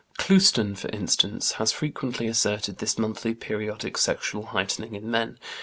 Clouston, for instance, has frequently asserted this monthly periodic sexual heightening in men.